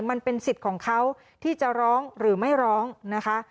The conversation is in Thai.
มันเป็นสิทธิ์ของเขาที่จะร้องหรือไม่ร้องนะคะ